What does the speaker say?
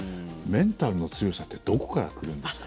メンタルの強さってどこから来るんですか？